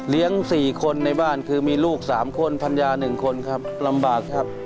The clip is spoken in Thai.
เลี้ยงสี่คนในบ้านคือมีลูกสามคนภรรยาหนึ่งคนครับลำบากครับ